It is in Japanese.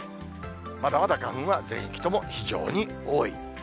まだまだ花粉は全域とも非常に多い。